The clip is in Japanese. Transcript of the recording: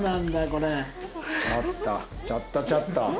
ちょっとちょっとちょっと。